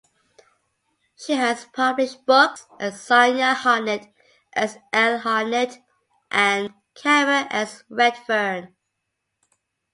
She has published books as Sonya Hartnett, S. L. Hartnett, and Cameron S. Redfern.